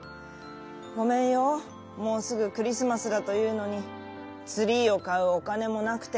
ごめんよもうすぐクリスマスだというのにツリーをかうおかねもなくて」。